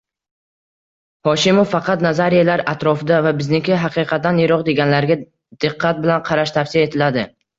Hoshimov faqat nazariyalar atrofida va bizniki haqiqatdan yiroq deganlarga diqqat bilan qarash tavsiya etiladi